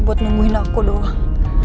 buat nungguin aku doang